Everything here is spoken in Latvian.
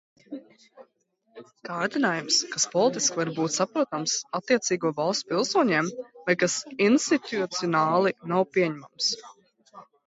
Kārdinājums, kas politiski var būt saprotams attiecīgo valstu pilsoņiem, bet kas institucionāli nav pieņemams.